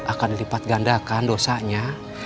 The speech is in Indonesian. akan dilipat gandakan dosanya